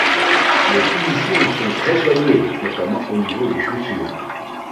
Les finitions sont très soignées, notamment au niveau des chaussures.